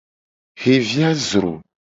Xevi a zro.